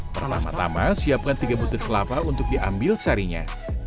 pertama tama siapkan tiga butir kelapa untuk diambil sarinya